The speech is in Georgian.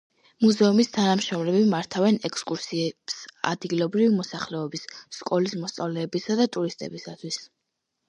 მუზეუმის თანამშრომლები მართავენ ექსკურსიებს ადგილობრივი მოსახლეობის, სკოლის მოსწავლეებისა და ტურისტებისათვის.